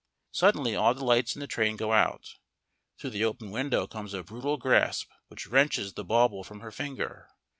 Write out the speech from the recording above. Suddenly all the lights in the train go out. Through the open window comes a brutal grasp which wrenches the bauble from her finger.